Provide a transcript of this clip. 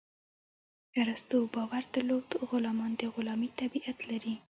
ارسطو باور درلود غلامان د غلامي طبیعت لري.